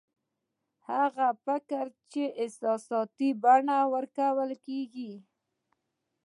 هغه فکر چې احساساتي بڼه ورکول کېږي